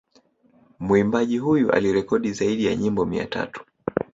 Mwimbaji huyu alirekodi zaidi ya nyimbo mia tatu